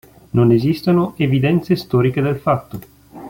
Non esistono evidenze storiche del fatto.